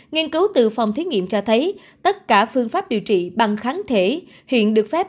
nghiên cứu từ phòng thí nghiệm cho thấy tất cả phương pháp điều trị bằng kháng thể hiện được phép